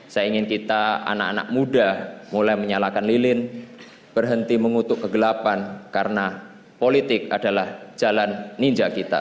saya ingin kita anak anak muda mulai menyalakan lilin berhenti mengutuk kegelapan karena politik adalah jalan ninja kita